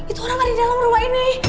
itu orang ada di dalam rumah ini